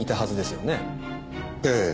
ええ。